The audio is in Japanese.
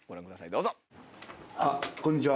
どうぞ。